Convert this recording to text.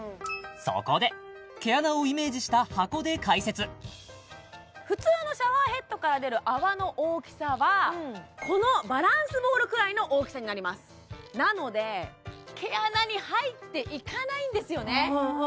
そこで毛穴をイメージした箱で解説普通のシャワーヘッドから出る泡の大きさはこのバランスボールくらいの大きさになりますなので毛穴に入っていかないんですよね